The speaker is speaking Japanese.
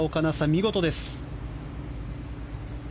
見事です。